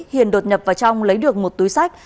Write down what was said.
hiền đột nhập vào trong lấy được một túi sách